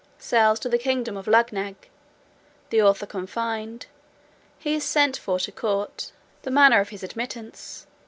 Sails to the kingdom of Luggnagg. The author confined. He is sent for to court. The manner of his admittance.